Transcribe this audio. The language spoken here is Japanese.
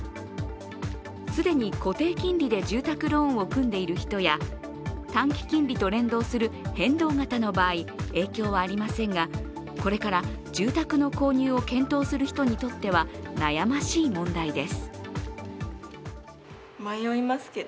既に固定金利で住宅ローンを組んでいる人や短期金利と連動する変動型の場合影響はありませんがこれから住宅の購入を検討する人にとっては悩ましい問題です。